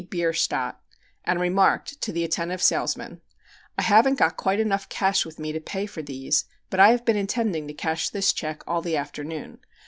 Bierstadt, and remarked to the attentive salesman: "I haven't got quite enough cash with me to pay for these, but I have been intending to cash this check all the afternoon.